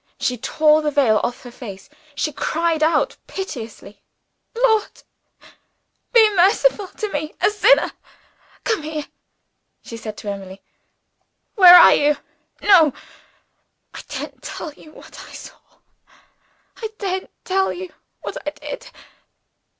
She tore the veil off her face. She cried out piteously, "Lord, be merciful to me a sinner! Come here," she said to Emily. "Where are you? No! I daren't tell you what I saw; I daren't tell you what I did.